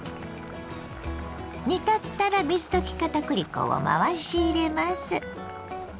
煮立ったら水溶き片栗粉を回し入れます。